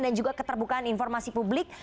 dan juga keterbukaan informasi publik